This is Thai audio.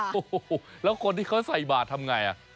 โอ้โหแล้วคนที่เขาใส่บาททำไง